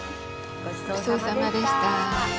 ごちそうさまでした。